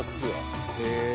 へえ！